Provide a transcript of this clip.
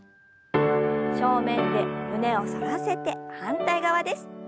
正面で胸を反らせて反対側です。